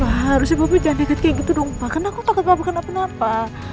pak harusnya jangan deket kayak gitu dong pak karena aku takut apa apa kena apa apa